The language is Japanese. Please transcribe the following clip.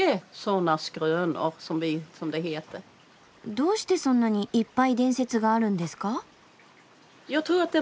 どうしてそんなにいっぱい伝説があるんですか？